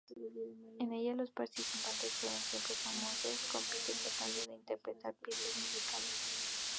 En ella los participantes, siempre famosos, compiten tratando de interpretar piezas musicales.